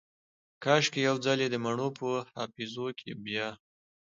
کاشکي یو ځلې دمڼو په حافظو کې بیا